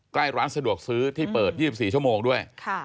ใกล้ร้านสะดวกซื้อที่เปิด๒๔ชั่วโมงด้วย